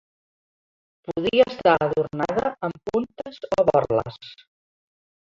Podia estar adornada amb puntes o borles.